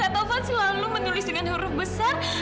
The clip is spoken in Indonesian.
pak taufan selalu menulis dengan huruf besar